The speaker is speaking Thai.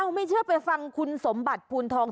ไม่เชื่อไปฟังคุณสมบัติภูนทอง